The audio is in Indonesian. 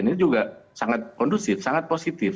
ini juga sangat kondusif sangat positif